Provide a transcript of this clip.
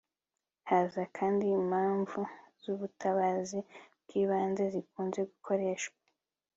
haza kandi impamvu z'ubutabazi bw'ibanze zikunze gukoreshwa